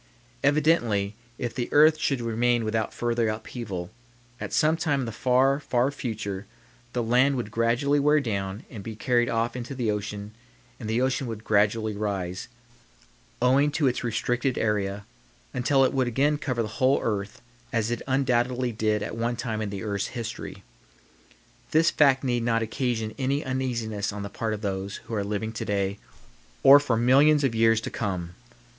Evidently if the earth should remain without further upheaval, at some time in the far, far future the land would gradually wear down and be carried off into the ocean and the ocean would gradually rise, owing to its restricted area, until it would again cover the whole earth as it undoubtedly did at one time in the earth's history. This fact need not occasion any uneasiness on the part of those who are living to day or for millions of years to come.